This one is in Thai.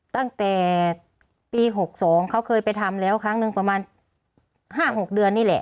ตั้งแต่ปี๖๒เขาเคยไปทำแล้วครั้งหนึ่งประมาณ๕๖เดือนนี่แหละ